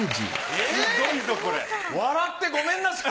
え笑ってごめんなさい。